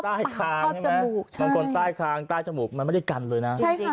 บางคนใต้คลางใต้จมูกมันไม่ได้กันเลยนะ